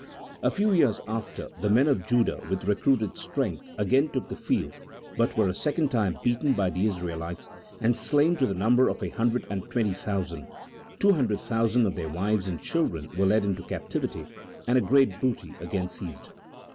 A few years after, the men of Judah, with recruited strength, again took the field, but were a second time beaten by the Israelites, and slain to the number of a hundred and twenty thousand, two hundred thousand of their wives and children were led into captivity, and a great booty again seized.